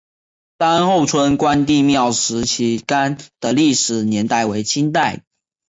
单侯村关帝庙石旗杆的历史年代为清代。